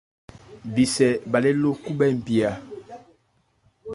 Bhísɛ bhâ lé ló khúbhɛ́ npi a.